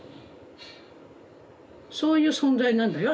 そういう存在なんだよ